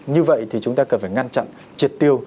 như vậy thì chúng ta cần phải ngăn chặn triệt tiêu